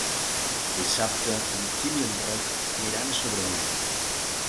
Dissabte en Quim i en Roc aniran a Sobremunt.